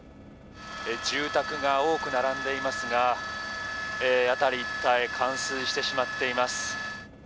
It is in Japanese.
住宅が並んでいますが辺り一帯冠水してしまっています。